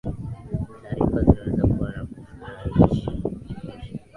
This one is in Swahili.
taarifa zinaweza kuwa za kufurahisha na kuchekesha